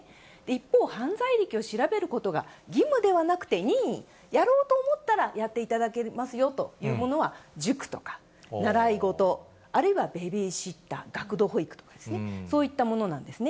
一方、犯罪歴を調べることが義務ではなくて任意、やろうと思ったらやっていただけますよというものは、塾とか習い事、あるいはベビーシッター、学童保育とかですね、そういったものなんですね。